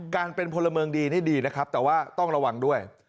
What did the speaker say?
การเป็นพลเมืองดีนี่ดีนะครับแต่ว่าต้องระวังด้วย